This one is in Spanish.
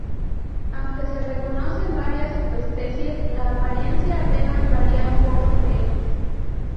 Aunque se reconocen varias subespecies, la apariencia apenas varía un poco entre ellas.